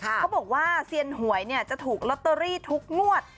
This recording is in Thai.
เขาบอกว่าเซียนหวยจะถูกลอตเตอรี่ทุกงวด